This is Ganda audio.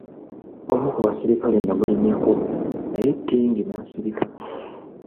Omu ku basirikale n'amulinnyako, naye Tingi n'asirika.